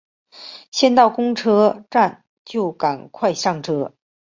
先到公车站就赶快上车